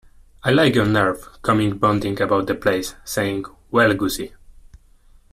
I like your nerve, coming bounding about the place, saying 'Well, Gussie.'